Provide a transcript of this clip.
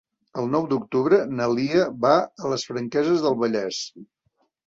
El nou d'octubre na Lia va a les Franqueses del Vallès.